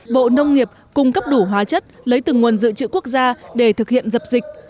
bộ nông nghiệp cung cấp đủ hóa chất lấy từng nguồn dự trữ quốc gia để thực hiện dập dịch